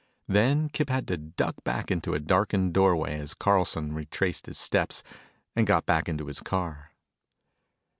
Then Kip had to duck back into a darkened doorway as Carlson retraced his steps, and got back into his car.